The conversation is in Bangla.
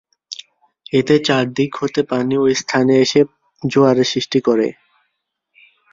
এতে চারদিক হতে পানি ঐ স্থানে এসে জোয়ারের সৃষ্টি করে।